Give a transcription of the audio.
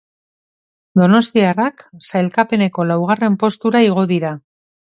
Donostiarrak sailkapeneko laugarren postura igo dira.